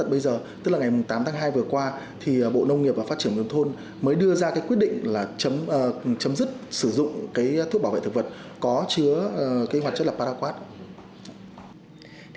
có chứa hoạt chất paraquat